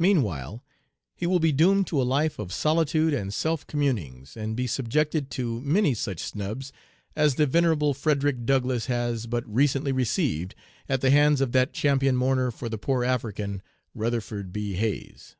Meanwhile he will be doomed to a life of solitude and self communings, and be subjected to many such snubs as the venerable Frederick Douglass has but recently received at the hands of that champion mourner for the poor African Rutherford B, Hayes."